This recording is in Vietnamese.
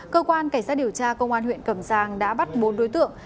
cơ quan cảnh sát điều tra công an huyện cẩm giang đã bắt bốn đối tượng